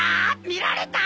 見られた！